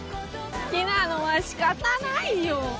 「好きなのは仕方ないよ」